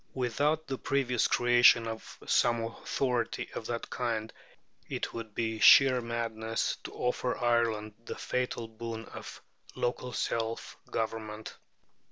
Without the previous creation of some authority of that kind it would be sheer madness to offer Ireland the fatal boon of local self government.